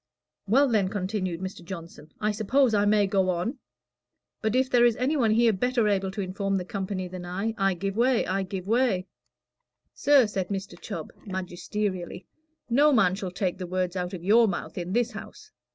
"Well, then," continued Mr. Johnson, "I suppose I may go on. But if there is any one here better able to inform the company than I am, I give way I give way." "Sir," said Mr. Chubb, magisterially, "no man shall take the words out of your mouth in this house.